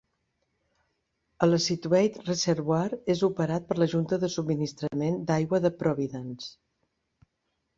El Scituate Reservoir és operat per la Junta de Subministrament d'Aigua de Providence.